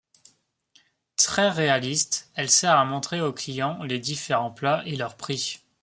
Très réaliste, elle sert à montrer aux clients les différents plats et leurs prix.